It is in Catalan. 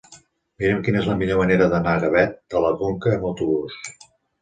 Mira'm quina és la millor manera d'anar a Gavet de la Conca amb autobús.